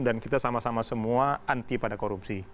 dan kita sama sama semua anti pada korupsi